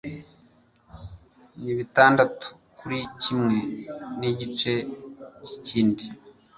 Nibitandatu kuri kimwe nigice cyikindi